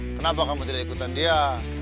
kenapa kamu tidak ikutan dia